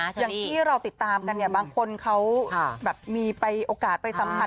อย่างที่เราติดตามกันเนี่ยบางคนเขาแบบมีโอกาสไปสัมผัส